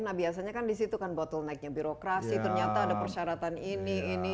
nah biasanya kan disitu kan bottlenecknya birokrasi ternyata ada persyaratan ini ini